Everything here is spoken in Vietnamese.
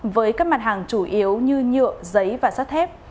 với các mặt hàng chủ yếu như nhựa giấy và sắt thép